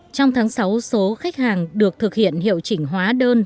trong tháng sáu số khách hàng được thực hiện hiệu chỉnh hóa đơn